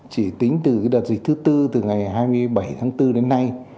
chỉ tính từ đợt dịch thứ tư từ ngày hai mươi bảy tháng bốn đến nay